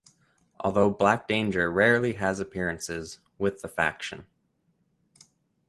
Although Black Danger rarely has appearances with the faction.